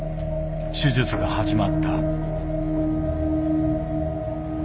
手術が始まった。